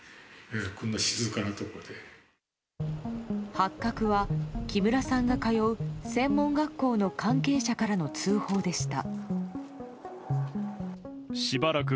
発覚は木村さんが通う専門学校の関係者からの通報でした。